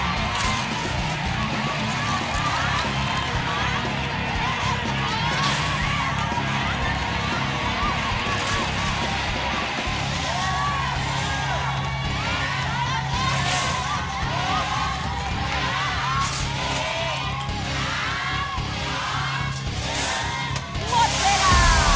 หมดเวลา